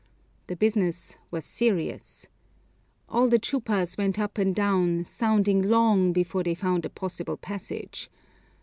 The business was serious. All the chupas went up and down, sounding, long before they found a possible passage.